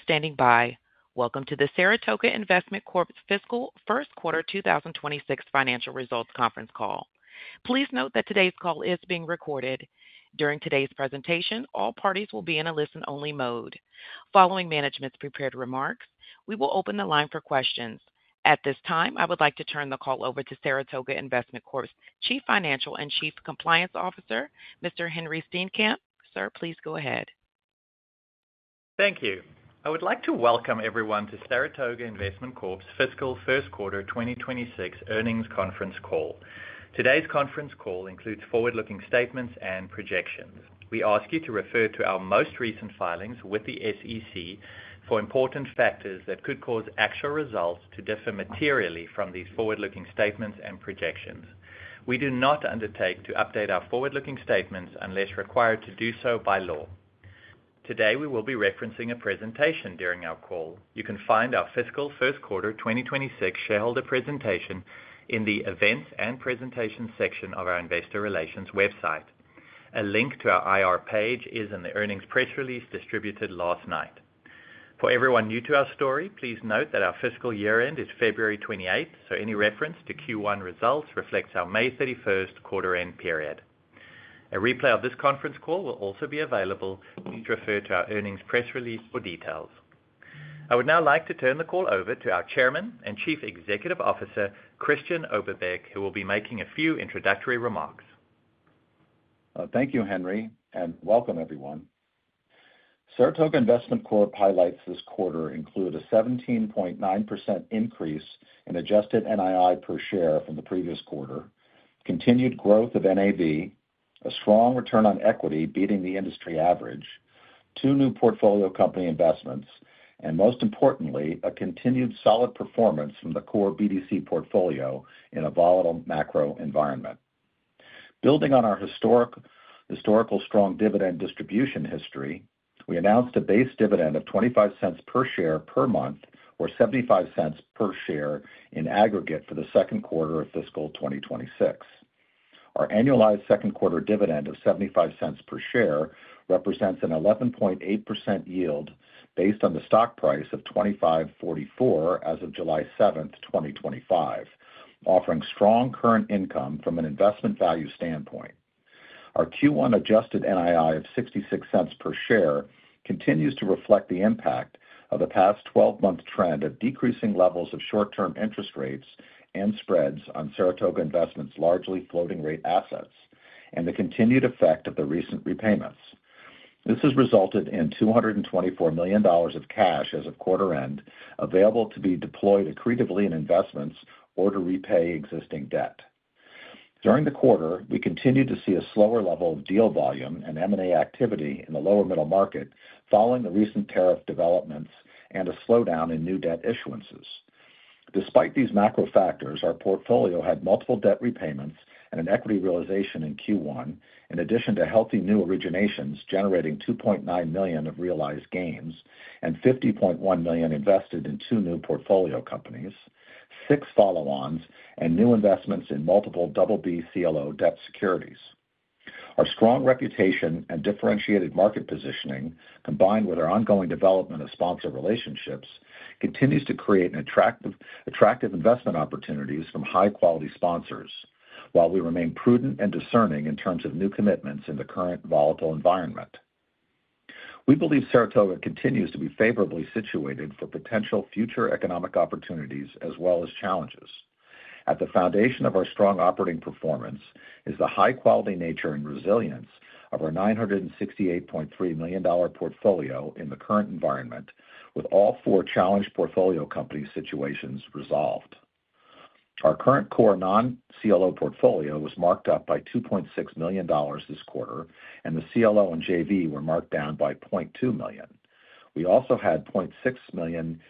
Standing by. Welcome to Saratoga Investment Corp's fiscal first quarter 2026 financial results conference call. Please note that today's call is being recorded. During today's presentation, all parties will be in a listen-only mode. Following management's prepared remarks, we will open the line for questions. At this time, I would like to turn the call over to Saratoga Investment Corp's Chief Financial and Chief Compliance Officer, Mr. Henri Steenkamp. Sir, please go ahead. Thank you. I would like to welcome everyone to Saratoga Investment Corp's fiscal first quarter 2026 earnings conference call. Today's conference call includes forward-looking statements and projections. We ask you to refer to our most recent filings with the SEC for important factors that could cause actual results to differ materially from these forward-looking statements and projections. We do not undertake to update our forward-looking statements unless required to do so by law. Today, we will be referencing a presentation during our call. You can find our fiscal first quarter 2026 shareholder presentation in the Events and Presentations section of our Investor Relations website. A link to our IR page is in the earnings press release distributed last night. For everyone new to our story, please note that our fiscal year-end is February 28th, so any reference to Q1 results reflects our May 31st quarter-end period. A replay of this conference call will also be available. Please refer to our earnings press release for details. I would now like to turn the call over to our Chairman and Chief Executive Officer, Christian Oberbeck, who will be making a few introductory remarks. Thank you, Henri. Welcome, everyone. Saratoga Investment Corp highlights this quarter include a 17.9% increase in Adjusted NII per share from the previous quarter, continued growth of NAV, a strong return on equity beating the industry average, two new portfolio company investments, and most importantly, a continued solid performance from the core BDC portfolio in a volatile macro environment. Building on our historical strong dividend distribution history, we announced a base dividend of $0.25 per share per month, or $0.75 per share in aggregate for the second quarter of fiscal 2026. Our annualized second quarter dividend of $0.75 per share represents an 11.8% yield based on the stock price of $25.44 as of July 7th, 2025, offering strong current income from an investment value standpoint. Our Q1 Adjusted NII of $0.66 per share continues to reflect the impact of the past 12-month trend of decreasing levels of short-term interest rates and spreads on Saratoga Investment Corp's largely floating-rate assets and the continued effect of the recent repayments. This has resulted in $224 million of cash as of quarter-end available to be deployed accretively in investments or to repay existing debt. During the quarter, we continued to see a slower level of deal volume and M&A activity in the lower middle market following the recent tariff developments and a slowdown in new debt issuances. Despite these macro factors, our portfolio had multiple debt repayments and an equity realization in Q1, in addition to healthy new originations generating $2.9 million of realized gains and $50.1 million invested in two new portfolio companies, six follow-ons, and new investments in multiple BBB CLO debt securities. Our strong reputation and differentiated market positioning, combined with our ongoing development of sponsor relationships, continue to create attractive investment opportunities from high-quality sponsors while we remain prudent and discerning in terms of new commitments in the current volatile environment. We believe Saratoga Investment Corp continues to be favorably situated for potential future economic opportunities as well as challenges. At the foundation of our strong operating performance is the high-quality nature and resilience of our $968.3 million portfolio in the current environment, with all four challenged portfolio company situations resolved. Our current core non-CLO portfolio was marked up by $2.6 million this quarter, and the CLO and JV were marked down by $0.2 million. We also had $0.6 million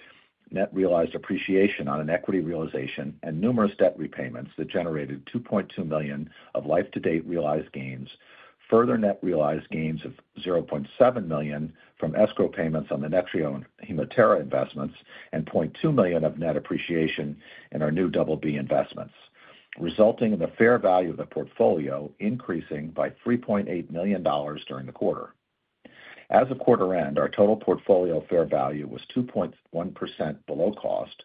net realized appreciation on an equity realization and numerous debt repayments that generated $2.2 million of life-to-date realized gains, further net realized gains of $0.7 million from escrow payments on the NetRio and Hemitera investments, and $0.2 million of net appreciation in our new BBB investments, resulting in the fair value of the portfolio increasing by $3.8 million during the quarter. As of quarter-end, our total portfolio fair value was 2.1% below cost,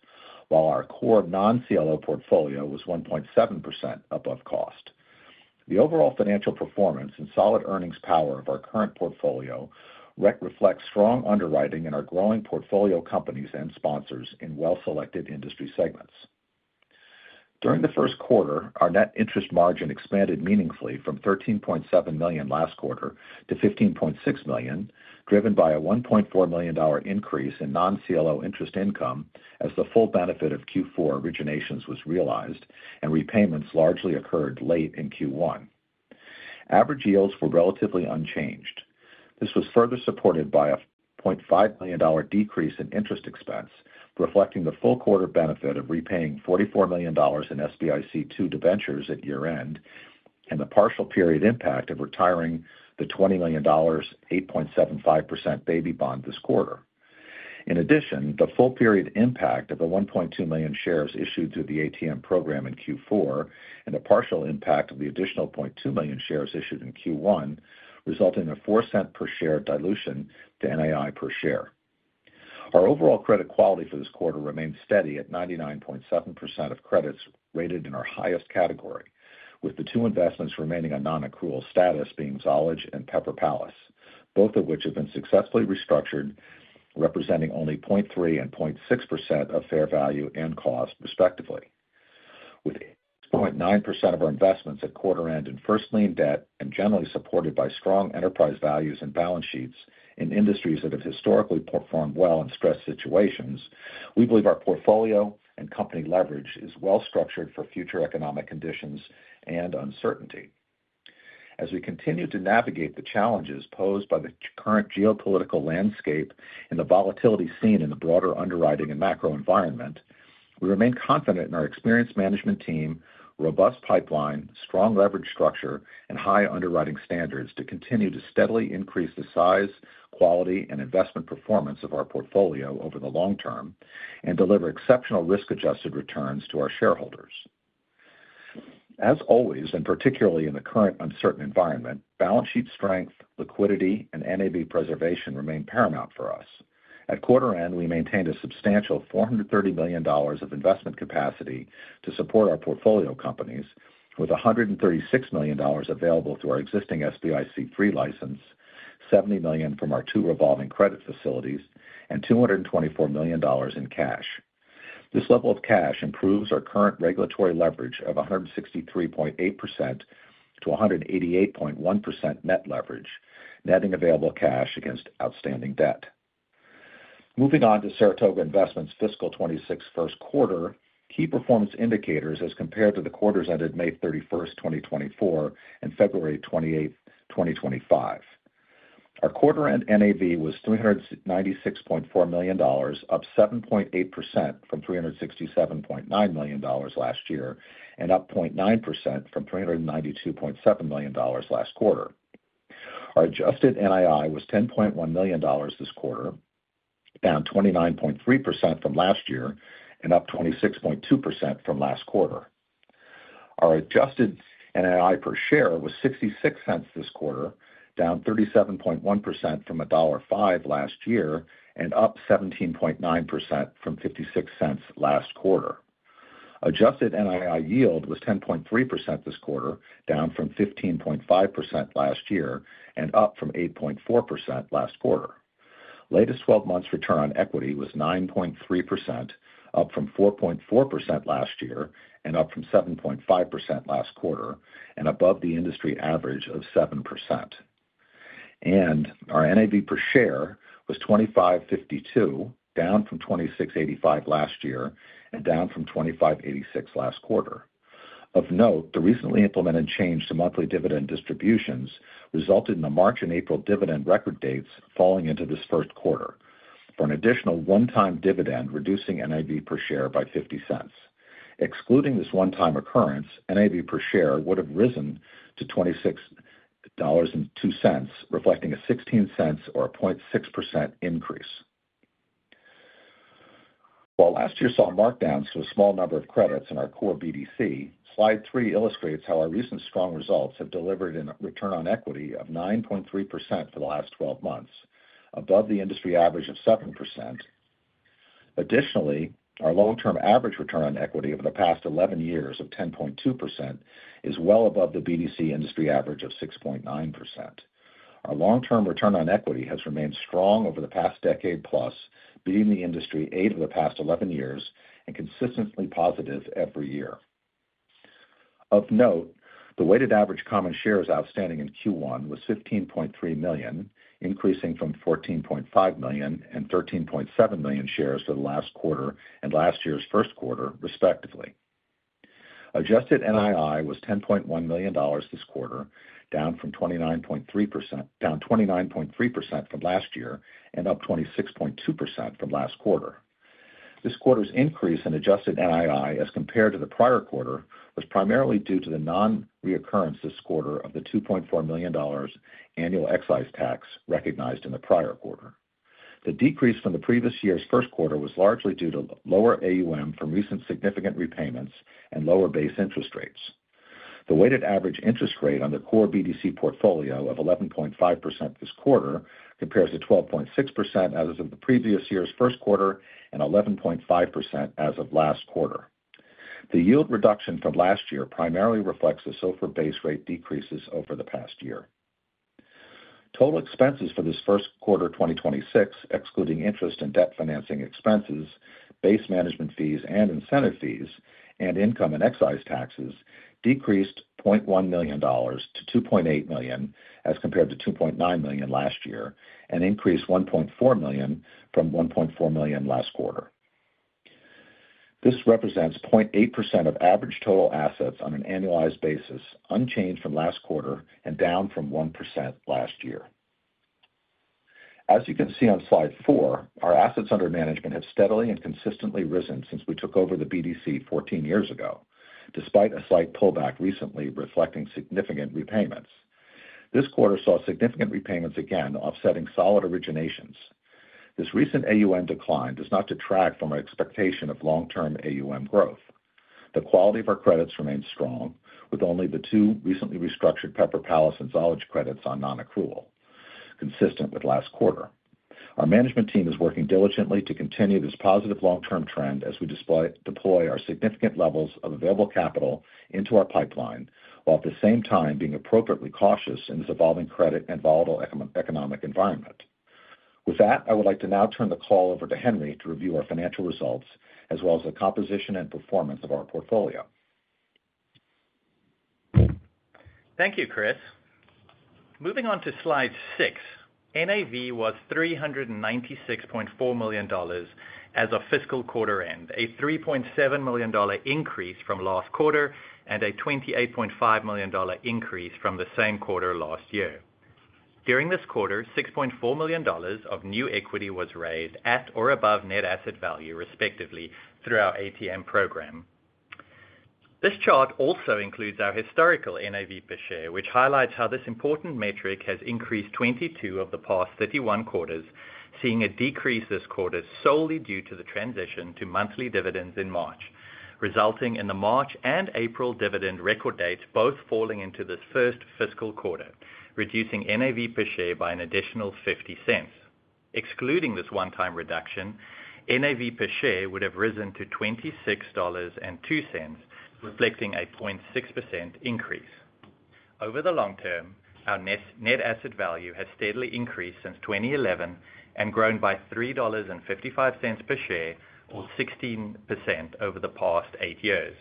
while our core non-CLO portfolio was 1.7% above cost. The overall financial performance and solid earnings power of our current portfolio reflect strong underwriting in our growing portfolio companies and sponsors in well-selected industry segments. During the first quarter, our net interest margin expanded meaningfully from $13.7 million last quarter to $15.6 million, driven by a $1.4 million increase in non-CLO interest income as the full benefit of Q4 originations was realized and repayments largely occurred late in Q1. Average yields were relatively unchanged. This was further supported by a $0.5 million decrease in interest expense, reflecting the full quarter benefit of repaying $44 million in SBIC2 debentures at year-end and the partial period impact of retiring the $20 million 8.75% baby bond this quarter. In addition, the full period impact of the 1.2 million shares issued through the ATM program in Q4 and a partial impact of the additional 0.2 million shares issued in Q1 resulted in a $0.04 per share dilution to NII per share. Our overall credit quality for this quarter remains steady at 99.7% of credits rated in our highest category, with the two investments remaining on non-accrual status being Zolage and Pepper Palace, both of which have been successfully restructured, representing only 0.3% and 0.6% of fair value and cost, respectively. With 0.9% of our investments at quarter-end in first lien debt and generally supported by strong enterprise values and balance sheets in industries that have historically performed well in stressed situations, we believe our portfolio and company leverage is well structured for future economic conditions and uncertainty. As we continue to navigate the challenges posed by the current geopolitical landscape and the volatility seen in the broader underwriting and macro environment, we remain confident in our experienced management team, robust pipeline, strong leverage structure, and high underwriting standards to continue to steadily increase the size, quality, and investment performance of our portfolio over the long term and deliver exceptional risk-adjusted returns to our shareholders. As always, and particularly in the current uncertain environment, balance sheet strength, liquidity, and NAV preservation remain paramount for us. At quarter-end, we maintained a substantial $430 million of investment capacity to support our portfolio companies, with $136 million available through our existing SBIC3 license, $70 million from our two revolving credit facilities, and $224 million in cash. This level of cash improves our current regulatory leverage of 163.8%-188.1% net leverage, netting available cash against outstanding debt. Moving on to Saratoga Investment's fiscal 2026 first quarter, key performance indicators as compared to the quarters ended May 31st, 2024, and February 28, 2025. Our quarter-end NAV was $396.4 million, up 7.8% from $367.9 million last year, and up 0.9% from $392.7 million last quarter. Our Adjusted NII was $10.1 million this quarter, down 29.3% from last year, and up 26.2% from last quarter. Our Adjusted NII per share was $0.66 this quarter, down 37.1% from $1.05 last year, and up 17.9% from $0.56 last quarter. Adjusted NII yield was 10.3% this quarter, down from 15.5% last year, and up from 8.4% last quarter. Latest 12 months return on equity was 9.3%, up from 4.4% last year, and up from 7.5% last quarter, and above the industry average of 7%. Our NAV per share was $25.52, down from $26.85 last year, and down from $25.86 last quarter. Of note, the recently implemented change to monthly dividend distributions resulted in the March and April dividend record dates falling into this first quarter for an additional one-time dividend reducing NAV per share by $0.50. Excluding this one-time occurrence, NAV per share would have risen to $26.02, reflecting a $0.16 or a 0.6% increase. While last year saw markdowns to a small number of credits in our core BDC, slide three illustrates how our recent strong results have delivered a return on equity of 9.3% for the last 12 months, above the industry average of 7%. Additionally, our long-term average return on equity over the past 11 years of 10.2% is well above the BDC industry average of 6.9%. Our long-term return on equity has remained strong over the past decade-plus, beating the industry eight of the past 11 years and consistently positive every year. Of note, the weighted average common shares outstanding in Q1 was 15.3 million, increasing from 14.5 million and 13.7 million shares for the last quarter and last year's first quarter, respectively. Adjusted NII was $10.1 million this quarter, down 29.3% from last year and up 26.2% from last quarter. This quarter's increase in Adjusted NII as compared to the prior quarter was primarily due to the non-reoccurrence this quarter of the $2.4 million annual excise tax recognized in the prior quarter. The decrease from the previous year's first quarter was largely due to lower AUM from recent significant repayments and lower base interest rates. The weighted average interest rate on the core BDC portfolio of 11.5% this quarter compares to 12.6% as of the previous year's first quarter and 11.5% as of last quarter. The yield reduction from last year primarily reflects the SOFR base rate decreases over the past year. Total expenses for this first quarter 2026, excluding interest and debt financing expenses, base management fees and incentive fees, and income and excise taxes, decreased $0.1 million to $2.8 million as compared to $2.9 million last year and increased $1.4 million from $1.4 million last quarter. This represents 0.8% of average total assets on an annualized basis, unchanged from last quarter and down from 1% last year. As you can see on slide four, our assets under management have steadily and consistently risen since we took over the BDC 14 years ago, despite a slight pullback recently reflecting significant repayments. This quarter saw significant repayments again, offsetting solid originations. This recent AUM decline does not detract from our expectation of long-term AUM growth. The quality of our credits remains strong, with only the two recently restructured Pepper Palace and Zolage credits on non-accrual, consistent with last quarter. Our management team is working diligently to continue this positive long-term trend as we deploy our significant levels of available capital into our pipeline, while at the same time being appropriately cautious in this evolving credit and volatile economic environment. With that, I would like to now turn the call over to Henri to review our financial results as well as the composition and performance of our portfolio. Thank you, Chris. Moving on to slide six, NAV was $396.4 million as of fiscal quarter end, a $3.7 million increase from last quarter and a $28.5 million increase from the same quarter last year. During this quarter, $6.4 million of new equity was raised at or above net asset value, respectively, through our ATM program. This chart also includes our historical NAV per share, which highlights how this important metric has increased 22 of the past 31 quarters, seeing a decrease this quarter solely due to the transition to monthly dividends in March, resulting in the March and April dividend record dates both falling into this first fiscal quarter, reducing NAV per share by an additional $0.50. Excluding this one-time reduction, NAV per share would have risen to $26.02, reflecting a 0.6% increase. Over the long term, our net asset value has steadily increased since 2011 and grown by $3.55 per share, or 16% over the past eight years.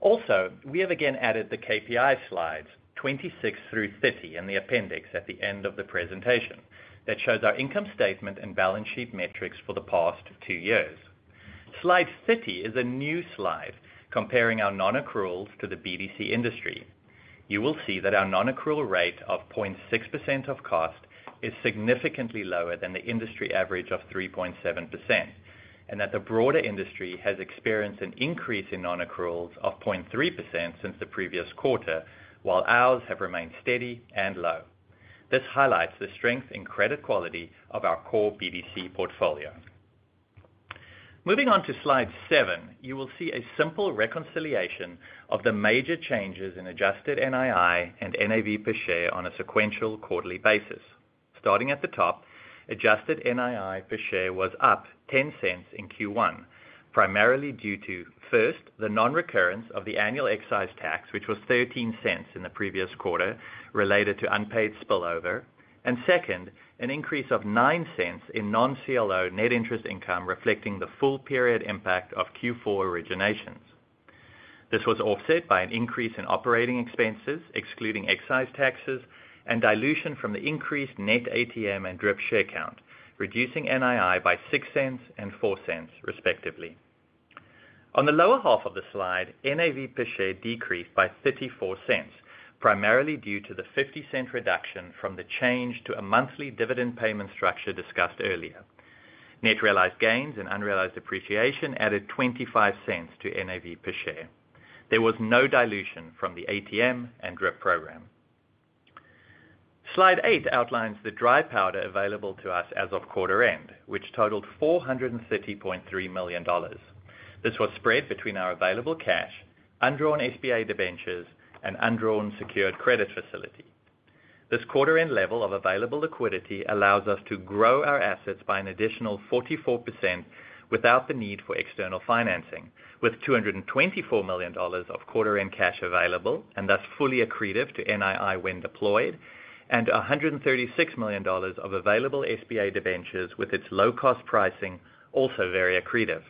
Also, we have again added the KPI slides 26 through 30 in the appendix at the end of the presentation that shows our income statement and balance sheet metrics for the past two years. Slide 30 is a new slide comparing our non-accruals to the BDC industry. You will see that our non-accrual rate of 0.6% of cost is significantly lower than the industry average of 3.7% and that the broader industry has experienced an increase in non-accruals of 0.3% since the previous quarter, while ours have remained steady and low. This highlights the strength in credit quality of our core BDC portfolio. Moving on to slide seven, you will see a simple reconciliation of the major changes in Adjusted NII and NAV per share on a sequential quarterly basis. Starting at the top, Adjusted NII per share was up $0.10 in Q1, primarily due to, first, the non-recurrence of the annual excise tax, which was $0.13 in the previous quarter related to unpaid spillover, and second, an increase of $0.09 in non-CLO net interest income reflecting the full period impact of Q4 originations. This was offset by an increase in operating expenses, excluding excise taxes, and dilution from the increased net ATM and drip share count, reducing NII by $0.06 and $0.04, respectively. On the lower half of the slide, NAV per share decreased by $0.34, primarily due to the $0.50 reduction from the change to a monthly dividend payment structure discussed earlier. Net realized gains and unrealized appreciation added $0.25 to NAV per share. There was no dilution from the ATM and drip program. Slide eight outlines the dry powder available to us as of quarter end, which totaled $430.3 million. This was spread between our available cash, undrawn SBIC3 debentures, and undrawn secured credit facility. This quarter-end level of available liquidity allows us to grow our assets by an additional 44% without the need for external financing, with $224 million of quarter-end cash available and thus fully accretive to NII when deployed, and $136 million of available SBIC3 debentures with its low-cost pricing also very accretive.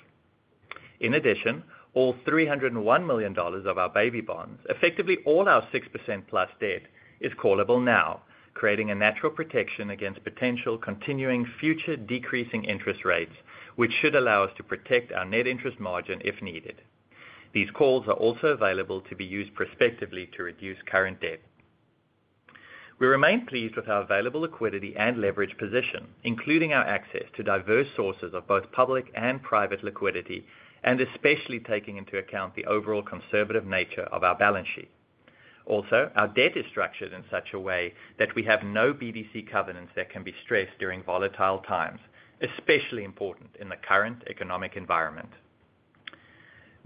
In addition, all $301 million of our baby bonds, effectively all our 6% plus debt, is callable now, creating a natural protection against potential continuing future decreasing interest rates, which should allow us to protect our net interest margin if needed. These calls are also available to be used prospectively to reduce current debt. We remain pleased with our available liquidity and leverage position, including our access to diverse sources of both public and private liquidity, and especially taking into account the overall conservative nature of our balance sheet. Also, our debt is structured in such a way that we have no BDC covenants that can be stressed during volatile times, especially important in the current economic environment.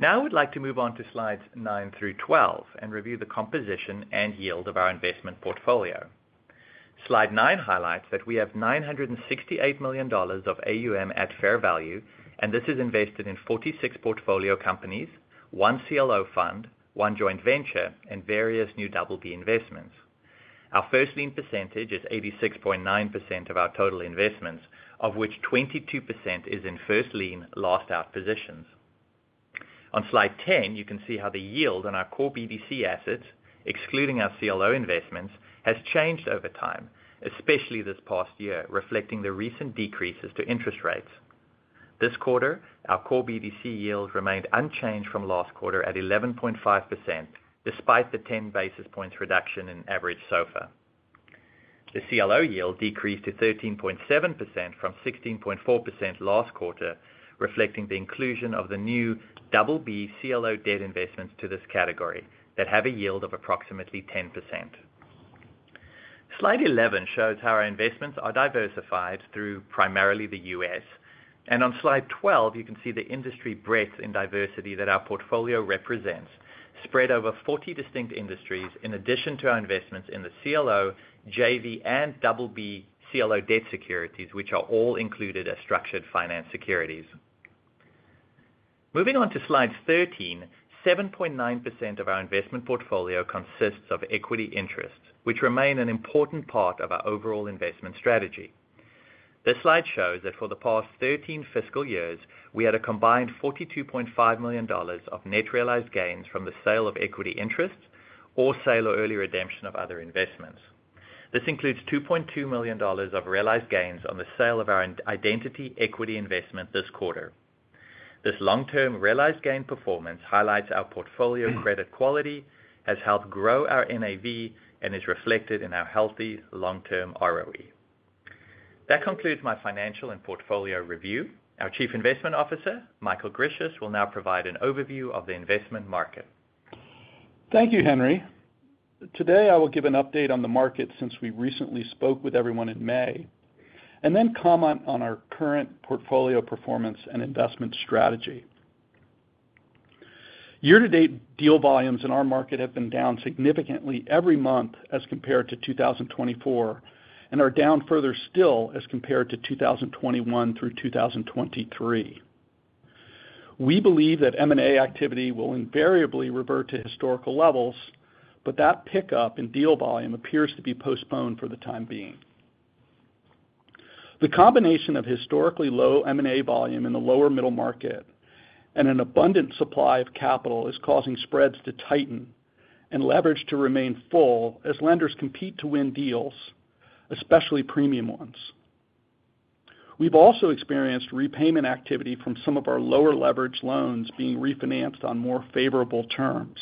Now I would like to move on to slides nine through 12 and review the composition and yield of our investment portfolio. Slide nine highlights that we have $968 million of AUM at fair value, and this is invested in 46 portfolio companies, one CLO fund, one joint venture, and various new BBB CLO debt securities. Our first lien percentage is 86.9% of our total investments, of which 22% is in first lien last-out positions. On slide 10, you can see how the yield on our core BDC assets, excluding our CLO investments, has changed over time, especially this past year, reflecting the recent decreases to interest rates. This quarter, our core BDC yield remained unchanged from last quarter at 11.5%, despite the 10 basis points reduction in average SOFR. The CLO yield decreased to 13.7% from 16.4% last quarter, reflecting the inclusion of the new BBB CLO debt securities to this category that have a yield of approximately 10%. Slide 11 shows how our investments are diversified through primarily the U.S., and on slide 12, you can see the industry breadth in diversity that our portfolio represents, spread over 40 distinct industries, in addition to our investments in the CLO, JV, and BBB CLO debt securities, which are all included as structured finance securities. Moving on to slide 13, 7.9% of our investment portfolio consists of equity interests, which remain an important part of our overall investment strategy. This slide shows that for the past 13 fiscal years, we had a combined $42.5 million of net realized gains from the sale of equity interests or sale or early redemption of other investments. This includes $2.2 million of realized gains on the sale of our identity equity investment this quarter. This long-term realized gain performance highlights our portfolio credit quality, has helped grow our NAV, and is reflected in our healthy long-term ROE. That concludes my financial and portfolio review. Our Chief Investment Officer, Michael Grisius, will now provide an overview of the investment market. Thank you, Henri. Today, I will give an update on the market since we recently spoke with everyone in May and then comment on our current portfolio performance and investment strategy. Year-to-date deal volumes in our market have been down significantly every month as compared to 2024 and are down further still as compared to 2021 through 2023. We believe that M&A activity will invariably revert to historical levels, but that pickup in deal volume appears to be postponed for the time being. The combination of historically low M&A volume in the lower middle market and an abundant supply of capital is causing spreads to tighten and leverage to remain full as lenders compete to win deals, especially premium ones. We've also experienced repayment activity from some of our lower leveraged loans being refinanced on more favorable terms.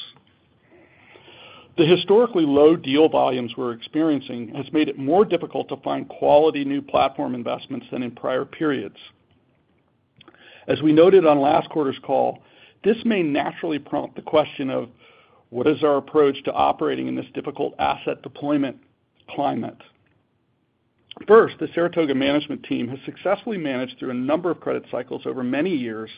The historically low deal volumes we're experiencing have made it more difficult to find quality new platform investments than in prior periods. As we noted on last quarter's call, this may naturally prompt the question of what is our approach to operating in this difficult asset deployment climate. First, the Saratoga Management Team has successfully managed through a number of credit cycles over many years,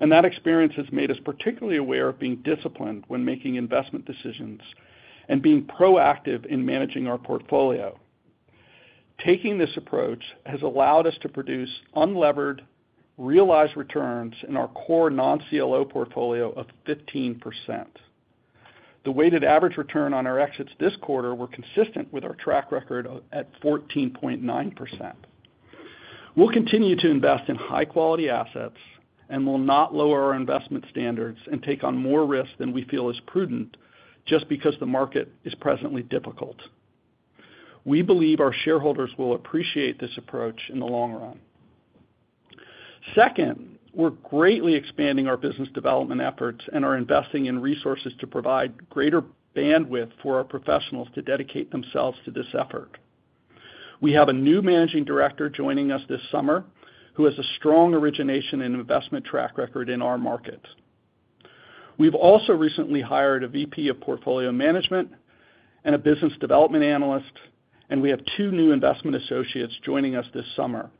and that experience has made us particularly aware of being disciplined when making investment decisions and being proactive in managing our portfolio. Taking this approach has allowed us to produce unlevered realized returns in our core non-CLO portfolio of 15%. The weighted average return on our exits this quarter were consistent with our track record at 14.9%. We'll continue to invest in high-quality assets and will not lower our investment standards and take on more risk than we feel is prudent just because the market is presently difficult. We believe our shareholders will appreciate this approach in the long run. Second, we're greatly expanding our business development efforts and are investing in resources to provide greater bandwidth for our professionals to dedicate themselves to this effort. We have a new Managing Director joining us this summer who has a strong origination and investment track record in our market. We've also recently hired a VP of Portfolio Management and a Business Development Analyst, and we have two new Investment Associates joining us this summer.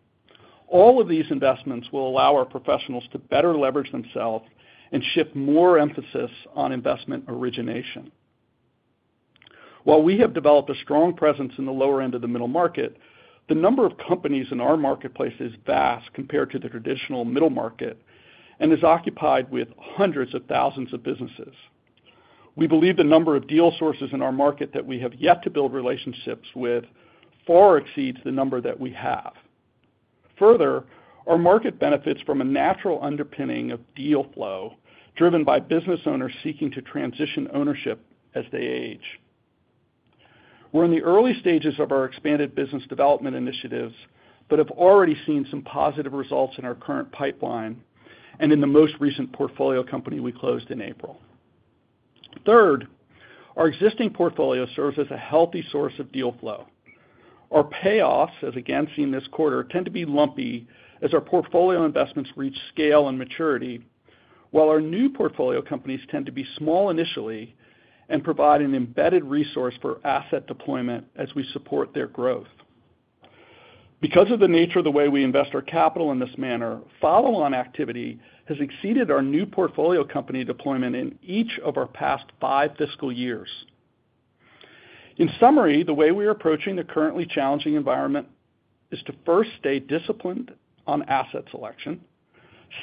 All of these investments will allow our professionals to better leverage themselves and shift more emphasis on investment origination. While we have developed a strong presence in the lower end of the middle market, the number of companies in our marketplace is vast compared to the traditional middle market and is occupied with hundreds of thousands of businesses. We believe the number of deal sources in our market that we have yet to build relationships with far exceeds the number that we have. Further, our market benefits from a natural underpinning of deal flow driven by business owners seeking to transition ownership as they age. We're in the early stages of our expanded business development initiatives but have already seen some positive results in our current pipeline and in the most recent portfolio company we closed in April. Third, our existing portfolio serves as a healthy source of deal flow. Our payoffs, as again seen this quarter, tend to be lumpy as our portfolio investments reach scale and maturity, while our new portfolio companies tend to be small initially and provide an embedded resource for asset deployment as we support their growth. Because of the nature of the way we invest our capital in this manner, follow-on activity has exceeded our new portfolio company deployment in each of our past five fiscal years. In summary, the way we are approaching the currently challenging environment is to first stay disciplined on asset selection,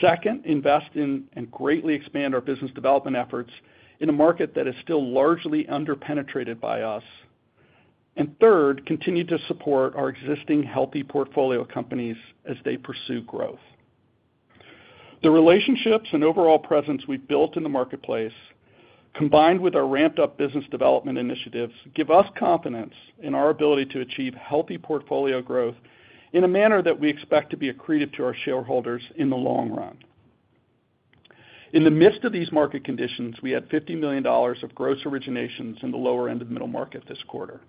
second, invest in and greatly expand our business development efforts in a market that is still largely underpenetrated by us, and third, continue to support our existing healthy portfolio companies as they pursue growth. The relationships and overall presence we've built in the marketplace, combined with our ramped-up business development initiatives, give us confidence in our ability to achieve healthy portfolio growth in a manner that we expect to be accretive to our shareholders in the long run. In the midst of these market conditions, we had $50 million of gross originations in the lower end of the middle market this quarter.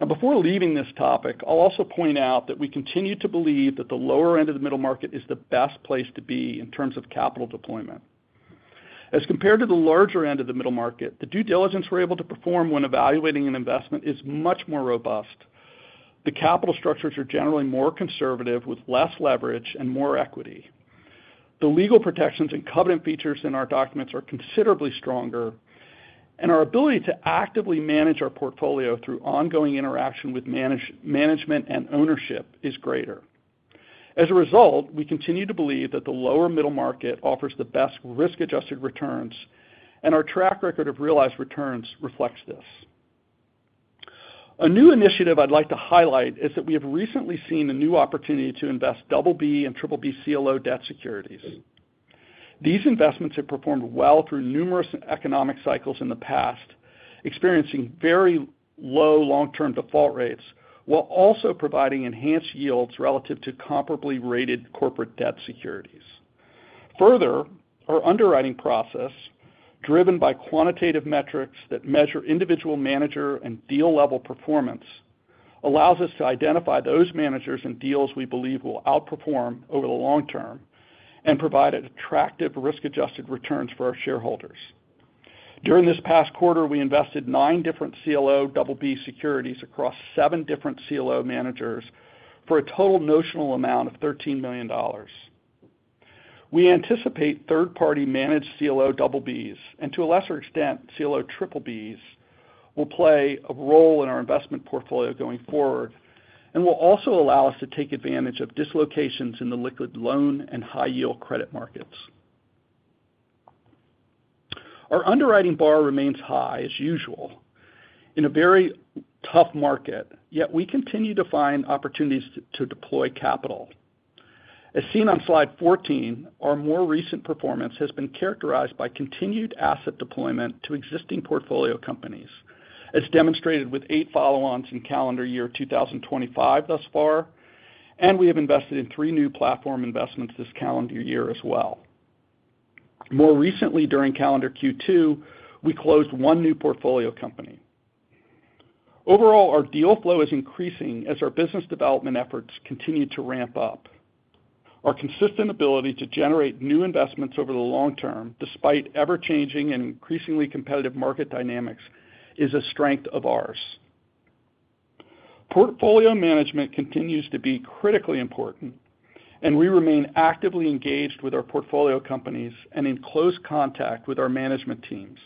Now, before leaving this topic, I'll also point out that we continue to believe that the lower end of the middle market is the best place to be in terms of capital deployment. As compared to the larger end of the middle market, the due diligence we're able to perform when evaluating an investment is much more robust. The capital structures are generally more conservative with less leverage and more equity. The legal protections and covenant features in our documents are considerably stronger, and our ability to actively manage our portfolio through ongoing interaction with management and ownership is greater. As a result, we continue to believe that the lower middle market offers the best risk-adjusted returns, and our track record of realized returns reflects this. A new initiative I'd like to highlight is that we have recently seen a new opportunity to invest in BBB CLO debt securities. These investments have performed well through numerous economic cycles in the past, experiencing very low long-term default rates while also providing enhanced yields relative to comparably rated corporate debt securities. Further, our underwriting process, driven by quantitative metrics that measure individual manager and deal level performance, allows us to identify those managers and deals we believe will outperform over the long term and provide attractive risk-adjusted returns for our shareholders. During this past quarter, we invested in nine different CLO BBB securities across seven different CLO managers for a total notional amount of $13 million. We anticipate third-party managed CLO BBBs and, to a lesser extent, CLO BBBs will play a role in our investment portfolio going forward and will also allow us to take advantage of dislocations in the liquid loan and high-yield credit markets. Our underwriting bar remains high, as usual. In a very tough market, yet we continue to find opportunities to deploy capital. As seen on slide 14, our more recent performance has been characterized by continued asset deployment to existing portfolio companies, as demonstrated with eight follow-ons in calendar year 2025 thus far, and we have invested in three new platform investments this calendar year as well. More recently, during calendar Q2, we closed one new portfolio company. Overall, our deal flow is increasing as our business development efforts continue to ramp up. Our consistent ability to generate new investments over the long term, despite ever-changing and increasingly competitive market dynamics, is a strength of ours. Portfolio management continues to be critically important, and we remain actively engaged with our portfolio companies and in close contact with our management teams.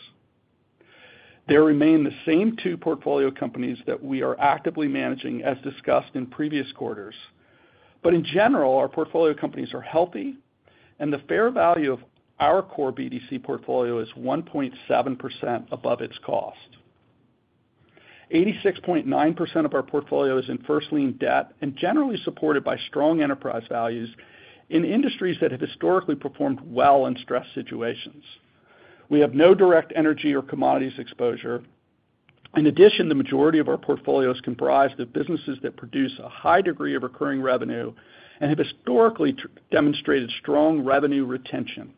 There remain the same two portfolio companies that we are actively managing, as discussed in previous quarters, but in general, our portfolio companies are healthy, and the fair value of our core BDC portfolio is 1.7% above its cost. 86.9% of our portfolio is in first lien debt and generally supported by strong enterprise values in industries that have historically performed well in stress situations. We have no direct energy or commodities exposure. In addition, the majority of our portfolio comprises businesses that produce a high degree of recurring revenue and have historically demonstrated strong revenue retention.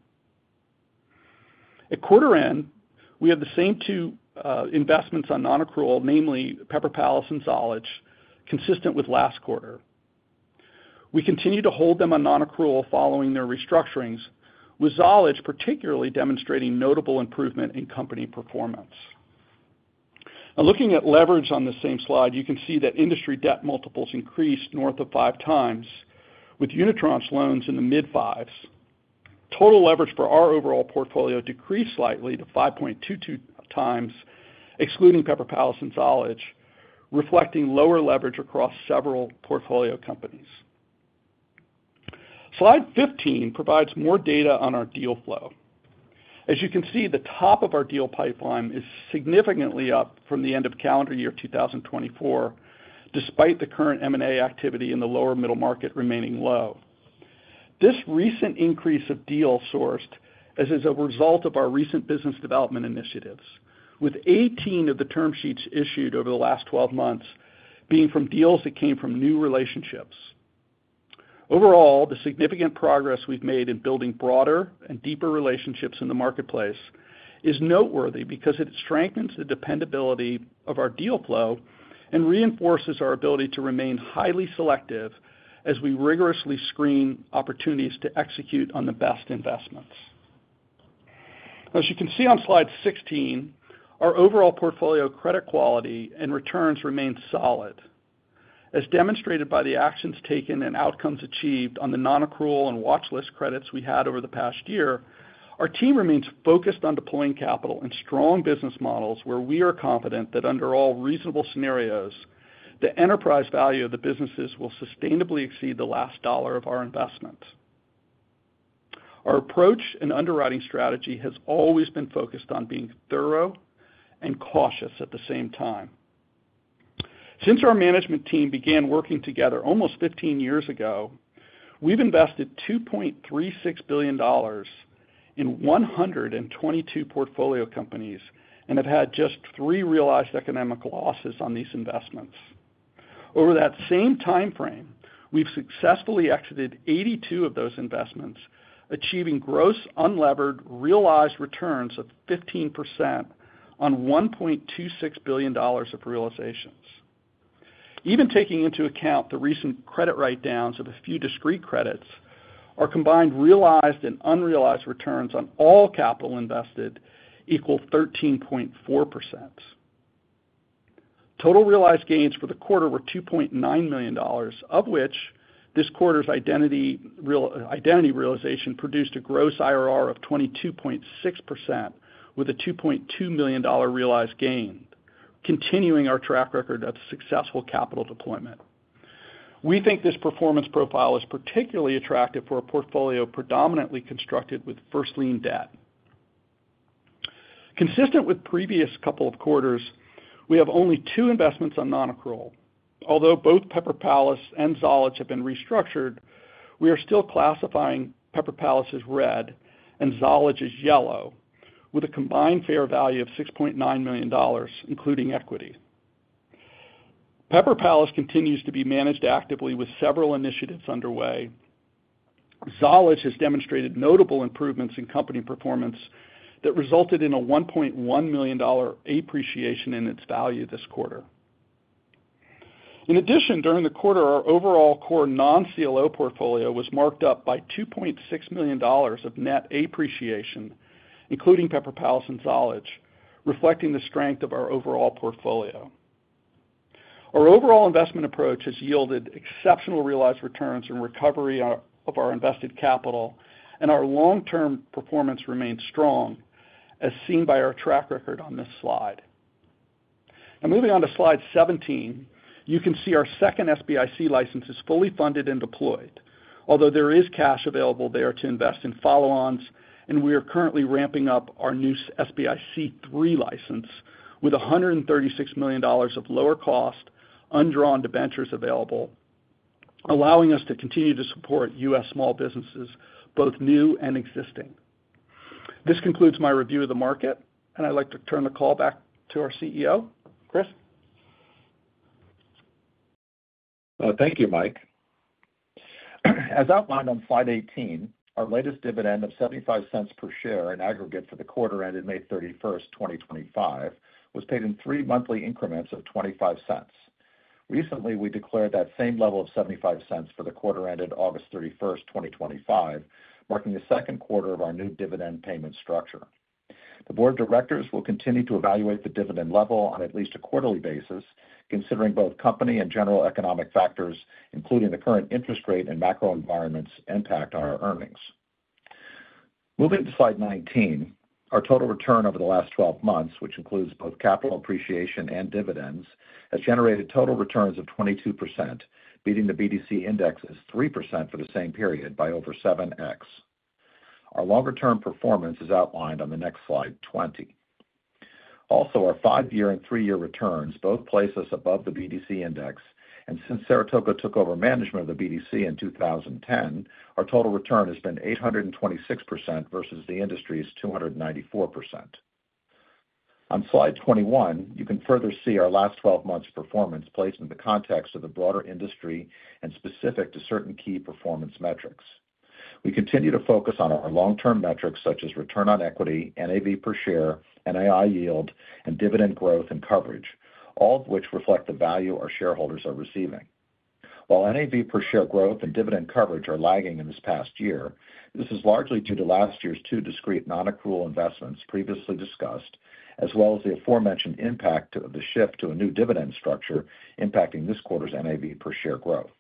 At quarter end, we have the same two investments on non-accrual, namely Pepper Palace and Zolage, consistent with last quarter. We continue to hold them on non-accrual following their restructurings, with Zolage particularly demonstrating notable improvement in company performance. Now, looking at leverage on the same slide, you can see that industry debt multiples increased north of five times, with Unitranche loans in the mid-fives. Total leverage for our overall portfolio decreased slightly to 5.22x, excluding Pepper Palace and Zolage, reflecting lower leverage across several portfolio companies. Slide 15 provides more data on our deal flow. As you can see, the top of our deal pipeline is significantly up from the end of calendar year 2024, despite the current M&A activity in the lower middle market remaining low. This recent increase of deals sourced is a result of our recent business development initiatives, with 18 of the term sheets issued over the last 12 months being from deals that came from new relationships. Overall, the significant progress we've made in building broader and deeper relationships in the marketplace is noteworthy because it strengthens the dependability of our deal flow and reinforces our ability to remain highly selective as we rigorously screen opportunities to execute on the best investments. As you can see on slide 16, our overall portfolio credit quality and returns remain solid. As demonstrated by the actions taken and outcomes achieved on the non-accrual and watchlist credits we had over the past year, our team remains focused on deploying capital in strong business models where we are confident that under all reasonable scenarios, the enterprise value of the businesses will sustainably exceed the last dollar of our investments. Our approach and underwriting strategy has always been focused on being thorough and cautious at the same time. Since our management team began working together almost 15 years ago, we've invested $2.36 billion in 122 portfolio companies and have had just three realized economic losses on these investments. Over that same timeframe, we've successfully exited 82 of those investments, achieving gross unlevered realized returns of 15% on $1.26 billion of realizations. Even taking into account the recent credit write-downs of a few discrete credits, our combined realized and unrealized returns on all capital invested equal 13.4%. Total realized gains for the quarter were $2.9 million, of which this quarter's identity realization produced a gross IRR of 22.6% with a $2.2 million realized gain, continuing our track record of successful capital deployment. We think this performance profile is particularly attractive for a portfolio predominantly constructed with first lien debt. Consistent with previous couple of quarters, we have only two investments on non-accrual. Although both Pepper Palace and Zolage have been restructured, we are still classifying Pepper Palace as red and Zolage as yellow, with a combined fair value of $6.9 million, including equity. Pepper Palace continues to be managed actively with several initiatives underway. Zolage has demonstrated notable improvements in company performance that resulted in a $1.1 million appreciation in its value this quarter. In addition, during the quarter, our overall core non-CLO portfolio was marked up by $2.6 million of net appreciation, including Pepper Palace and Zolage, reflecting the strength of our overall portfolio. Our overall investment approach has yielded exceptional realized returns and recovery of our invested capital, and our long-term performance remains strong, as seen by our track record on this slide. Now, moving on to slide 17, you can see our second SBIC license is fully funded and deployed, although there is cash available there to invest in follow-ons, and we are currently ramping up our new SBIC3 license with $136 million of lower cost undrawn debentures available, allowing us to continue to support U.S. small businesses, both new and existing. This concludes my review of the market, and I'd like to turn the call back to our CEO, Christian Oberbeck. Thank you, Mike. As outlined on slide 18, our latest dividend of $0.75 per share in aggregate for the quarter ended May 31st, 2025, was paid in three monthly increments of $0.25. Recently, we declared that same level of $0.75 for the quarter ended August 31st, 2025, marking the second quarter of our new dividend payment structure. The Board of Directors will continue to evaluate the dividend level on at least a quarterly basis, considering both company and general economic factors, including the current interest rate and macro environment's impact on our earnings. Moving to slide 19, our total return over the last 12 months, which includes both capital appreciation and dividends, has generated total returns of 22%, beating the BDC index at 3% for the same period by over 7x. Our longer-term performance is outlined on the next slide, 20. Also, our five-year and three-year returns both place us above the BDC index, and since Saratoga took over management of the BDC in 2010, our total return has been 826% versus the industry's 294%. On slide 21, you can further see our last 12 months' performance placed in the context of the broader industry and specific to certain key performance metrics. We continue to focus on our long-term metrics such as return on equity, NAV per share, NII yield, and dividend growth and coverage, all of which reflect the value our shareholders are receiving. While NAV per share growth and dividend coverage are lagging in this past year, this is largely due to last year's two discrete non-accrual investments previously discussed, as well as the aforementioned impact of the shift to a new dividend structure impacting this quarter's NAV per share growth.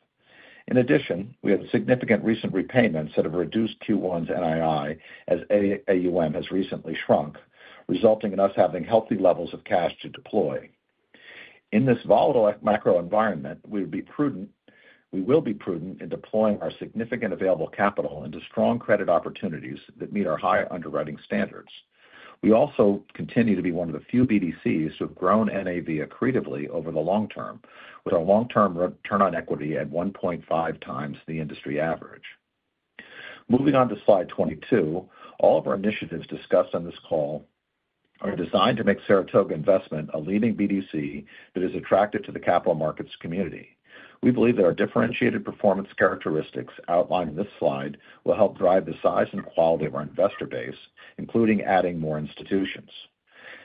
In addition, we have significant recent repayments that have reduced Q1's NII as AUM has recently shrunk, resulting in us having healthy levels of cash to deploy. In this volatile macro environment, we will be prudent in deploying our significant available capital into strong credit opportunities that meet our high underwriting standards. We also continue to be one of the few BDCs who have grown NAV accretively over the long term, with our long-term return on equity at 1.5x the industry average. Moving on to slide 22, all of our initiatives discussed on this call are designed to make Saratoga Investment a leading BDC that is attractive to the capital markets community. We believe that our differentiated performance characteristics outlined in this slide will help drive the size and quality of our investor base, including adding more institutions.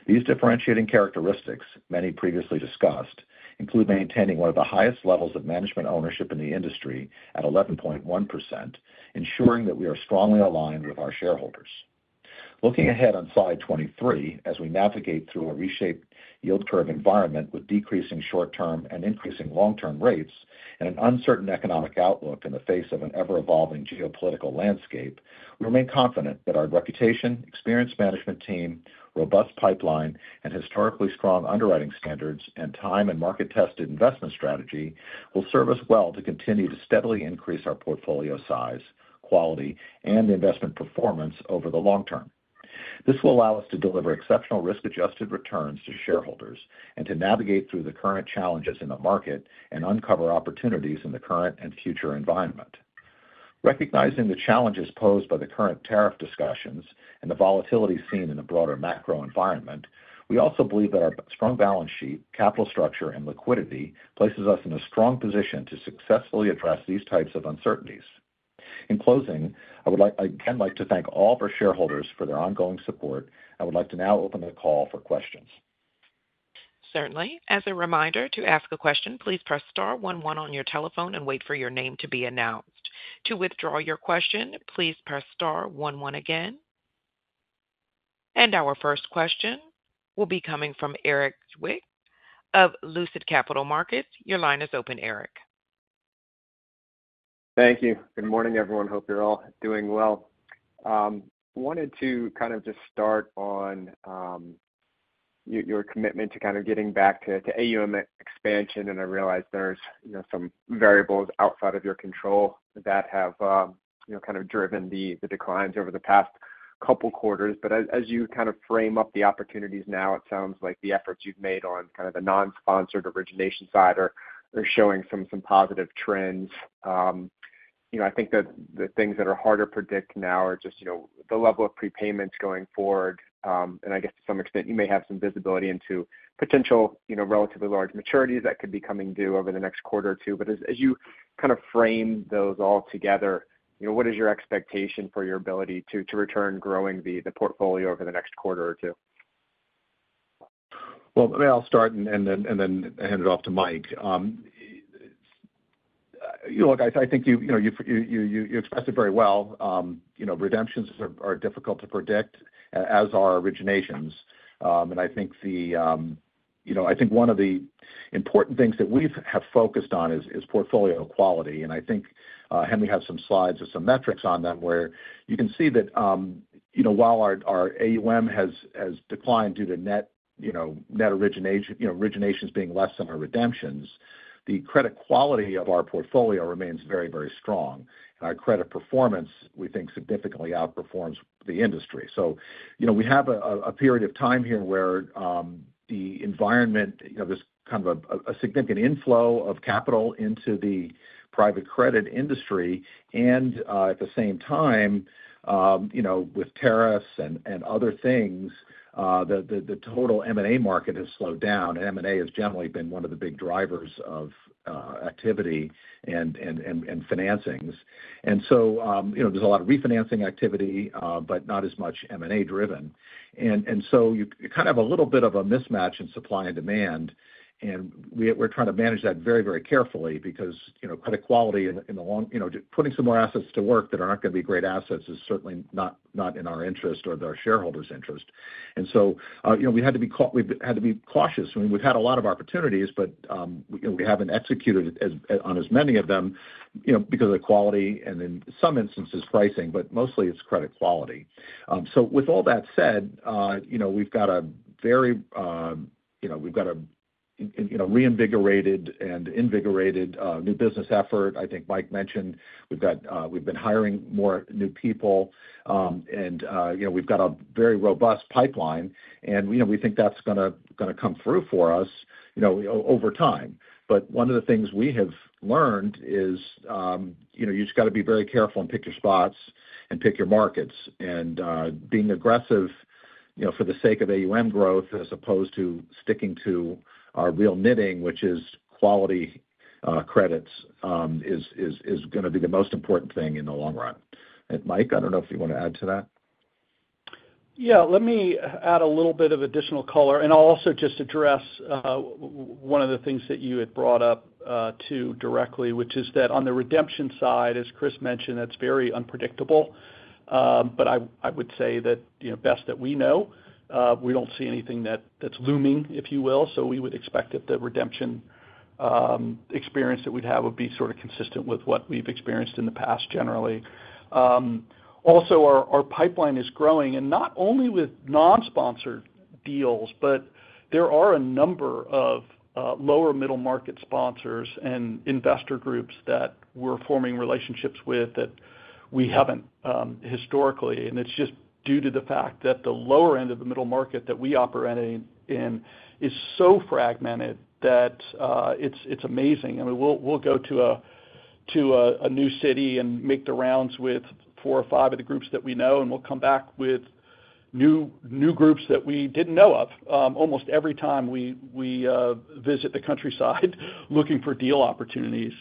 These differentiating characteristics, many previously discussed, include maintaining one of the highest levels of management ownership in the industry at 11.1%, ensuring that we are strongly aligned with our shareholders. Looking ahead on slide 23, as we navigate through a reshaped yield curve environment with decreasing short-term and increasing long-term rates and an uncertain economic outlook in the face of an ever-evolving geopolitical landscape, we remain confident that our reputation, experienced management team, robust pipeline, and historically strong underwriting standards and time and market-tested investment strategy will serve us well to continue to steadily increase our portfolio size, quality, and investment performance over the long term. This will allow us to deliver exceptional risk-adjusted returns to shareholders and to navigate through the current challenges in the market and uncover opportunities in the current and future environment. Recognizing the challenges posed by the current tariff discussions and the volatility seen in the broader macro environment, we also believe that our strong balance sheet, capital structure, and liquidity places us in a strong position to successfully address these types of uncertainties. In closing, I would again like to thank all of our shareholders for their ongoing support and would like to now open the call for questions. Certainly. As a reminder, to ask a question, please press star one-one on your telephone and wait for your name to be announced. To withdraw your question, please press star one-one again. Our first question will be coming from Erik Zwick of Lucid Capital Markets. Your line is open, Erik. Thank you. Good morning, everyone. Hope you're all doing well. I wanted to start on your commitment to getting back to AUM expansion, and I realize there's some variables outside of your control that have driven the declines over the past couple of quarters. As you frame up the opportunities now, it sounds like the efforts you've made on the non-sponsored origination side are showing some positive trends. I think that the things that are harder to predict now are just the level of prepayments going forward. I guess to some extent, you may have some visibility into potential relatively large maturities that could be coming due over the next quarter or two. As you frame those all together, what is your expectation for your ability to return growing the portfolio over the next quarter or two? Maybe I'll start and then hand it off to Mike. I think you expressed it very well. Redemptions are difficult to predict, as are originations. I think one of the important things that we have focused on is portfolio quality. I think Henri has some slides with some metrics on them where you can see that while our AUM has declined due to net originations being less than our redemptions, the credit quality of our portfolio remains very, very strong. Our credit performance, we think, significantly outperforms the industry. We have a period of time here where the environment, there's kind of a significant inflow of capital into the private credit industry. At the same time, with tariffs and other things, the total M&A market has slowed down. M&A has generally been one of the big drivers of activity and financings. There is a lot of refinancing activity, but not as much M&A driven. You kind of have a little bit of a mismatch in supply and demand. We're trying to manage that very, very carefully because credit quality in the long, putting some more assets to work that are not going to be great assets is certainly not in our interest or our shareholders' interest. We had to be cautious. We've had a lot of opportunities, but we haven't executed on as many of them because of the quality and in some instances pricing, but mostly it's credit quality. With all that said, we've got a very, we've got a reinvigorated and invigorated new business effort. I think Mike mentioned we've been hiring more new people. We've got a very robust pipeline. We think that's going to come through for us over time. One of the things we have learned is you just got to be very careful and pick your spots and pick your markets. Being aggressive for the sake of AUM growth as opposed to sticking to our real knitting, which is quality credits, is going to be the most important thing in the long run. Mike, I don't know if you want to add to that. Yeah, let me add a little bit of additional color. I'll also just address one of the things that you had brought up too directly, which is that on the redemption side, as Chris mentioned, that's very unpredictable. I would say that, you know, best that we know, we don't see anything that's looming, if you will. We would expect that the redemption experience that we'd have would be sort of consistent with what we've experienced in the past generally. Also, our pipeline is growing and not only with non-sponsored deals, but there are a number of lower middle market sponsors and investor groups that we're forming relationships with that we haven't historically. It's just due to the fact that the lower end of the middle market that we operate in is so fragmented that it's amazing. I mean, we'll go to a new city and make the rounds with four or five of the groups that we know, and we'll come back with new groups that we didn't know of almost every time we visit the countryside looking for deal opportunities.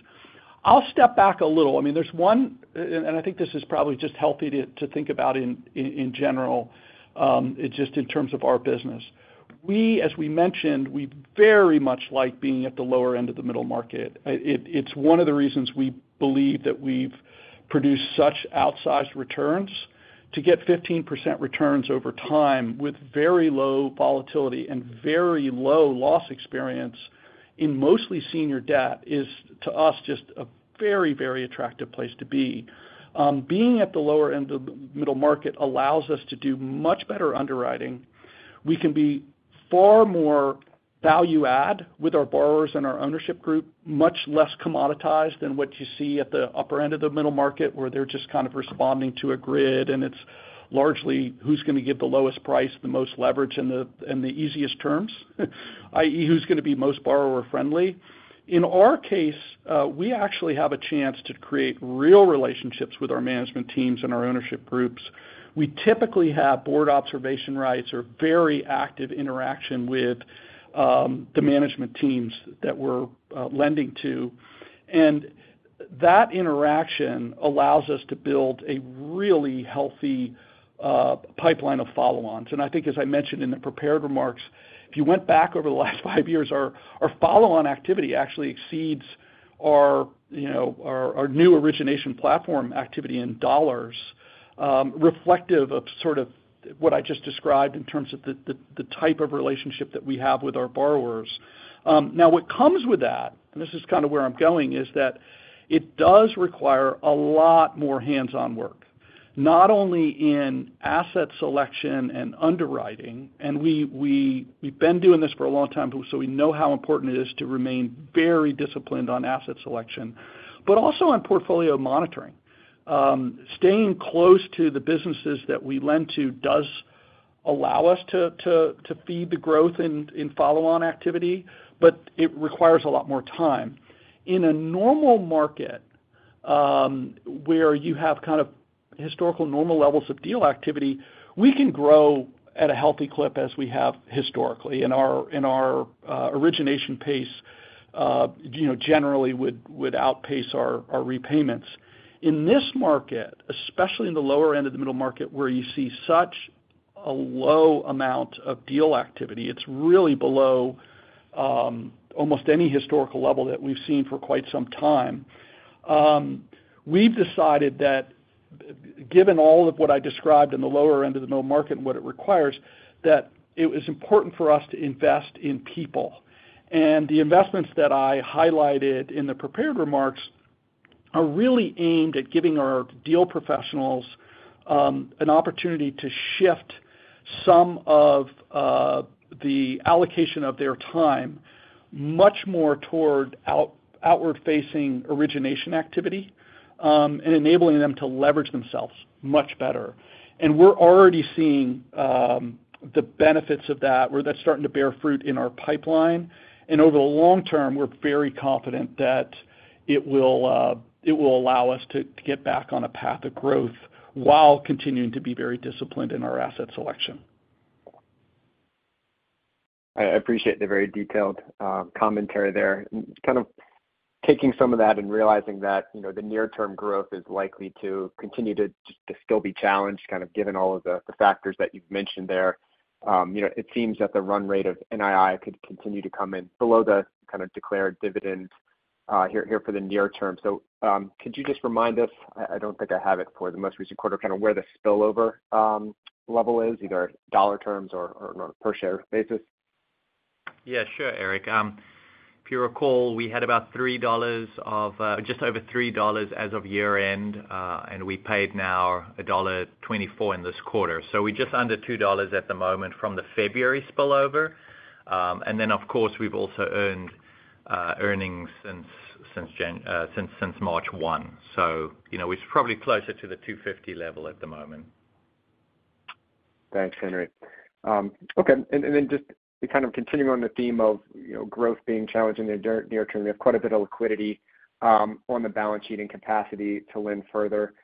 I'll step back a little. I mean, there's one, and I think this is probably just healthy to think about in general, just in terms of our business. We, as we mentioned, we very much like being at the lower end of the middle market. It's one of the reasons we believe that we've produced such outsized returns to get 15% returns over time with very low volatility and very low loss experience in mostly senior debt is, to us, just a very, very attractive place to be. Being at the lower end of the middle market allows us to do much better underwriting. We can be far more value-add with our borrowers and our ownership group, much less commoditized than what you see at the upper end of the middle market where they're just kind of responding to a grid and it's largely who's going to give the lowest price, the most leverage, and the easiest terms, i.e., who's going to be most borrower-friendly. In our case, we actually have a chance to create real relationships with our management teams and our ownership groups. We typically have board observation rights or very active interaction with the management teams that we're lending to. That interaction allows us to build a really healthy pipeline of follow-ons. As I mentioned in the prepared remarks, if you went back over the last five years, our follow-on activity actually exceeds our new origination platform activity in dollars, reflective of what I just described in terms of the type of relationship that we have with our borrowers. What comes with that is that it does require a lot more hands-on work, not only in asset selection and underwriting. We have been doing this for a long time, so we know how important it is to remain very disciplined on asset selection, but also on portfolio monitoring. Staying close to the businesses that we lend to does allow us to feed the growth in follow-on activity, but it requires a lot more time. In a normal market where you have historical normal levels of deal activity, we can grow at a healthy clip as we have historically, and our origination pace generally would outpace our repayments. In this market, especially in the lower end of the middle market where you see such a low amount of deal activity, it is really below almost any historical level that we have seen for quite some time. We have decided that given all of what I described in the lower end of the middle market and what it requires, it was important for us to invest in people. The investments that I highlighted in the prepared remarks are really aimed at giving our deal professionals an opportunity to shift some of the allocation of their time much more toward outward-facing origination activity and enabling them to leverage themselves much better. We are already seeing the benefits of that, where that is starting to bear fruit in our pipeline. Over the long term, we are very confident that it will allow us to get back on a path of growth while continuing to be very disciplined in our asset selection. I appreciate the very detailed commentary there. Taking some of that and realizing that the near-term growth is likely to continue to still be challenged, given all of the factors that you've mentioned there, it seems that the run rate of NII could continue to come in below the declared dividend here for the near term. Could you just remind us, I don't think I have it for the most recent quarter, where the spillover level is, either in dollar terms or per share basis? Yeah, sure, Erik. If you recall, we had about $3 or just over $3 as of year-end, and we paid now $1.24 in this quarter. We're just under $2 at the moment from the February spillover. We've also earned earnings since March 1, so it's probably closer to the $2.50 level at the moment. Thanks, Henri. Okay. Just kind of continuing on the theme of growth being challenging in the near term, we have quite a bit of liquidity on the balance sheet and capacity to lend further.